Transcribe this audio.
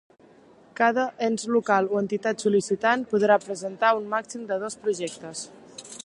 Cada ens local o entitat sol·licitant podrà presentar un màxim de dos projectes.